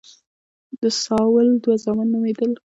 د ساول دوه زامن نومېدل.